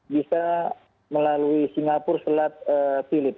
bisa melalui singapura selat philip